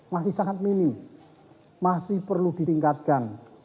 masih sangat minim masih perlu ditingkatkan